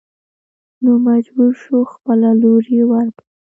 نو مجبور شو خپله لور يې ور کړه.